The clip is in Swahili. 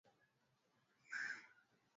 aki akidhania kwamba hiyo itawasaidia